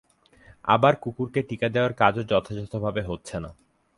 আবার কুকুরকে টিকা দেয়ার কাজও যথাযথভাবে হচ্ছে না।